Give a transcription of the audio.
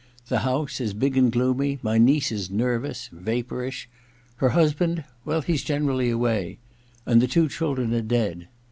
The house is big and gloomy ; my niece is nervous, vapourish ; her husband — well, he's generally away ; and the two children are dead.